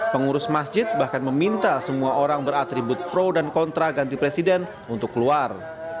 pengurus masjid bahkan meminta semua orang beratribut pro dan kontra ganti presiden untuk keluar